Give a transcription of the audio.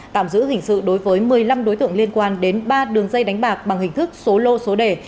tạm giữ hình sự đối với một mươi năm đối tượng liên quan đến ba đường dây đánh bạc bằng hình thức số lô số đề